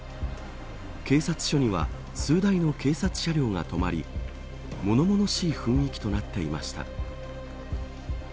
警察署には数台の警察車両が止まり物々しい雰囲気となっていました。